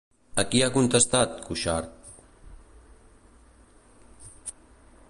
A qui ha contestat, Cuixart?